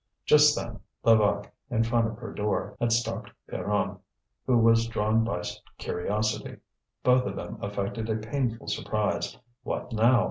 Just then, Levaque, in front of her door, had stopped Pierronne, who was drawn by curiosity. Both of them affected a painful surprise. What now?